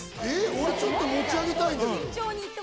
俺ちょっと持ち上げたいんだけど。